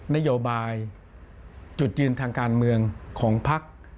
นโยบายจุดยืนทางการเมืองของพัก